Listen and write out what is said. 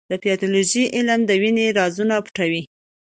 د پیتالوژي علم د وینې رازونه پټوي.